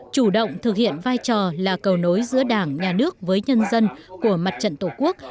chủ động thực hiện vai trò là cầu nối giữa đảng nhà nước với nhân dân của mặt trận tổ quốc